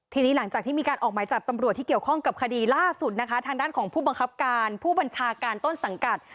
ทีนี้หลังจากที่มีการออกหมายจับตำรวจที่เกี่ยวข้องกับคดีล่าสุดนะคะทางด้านของผู้บังคับการผู้บัญชาการต้นสังกัด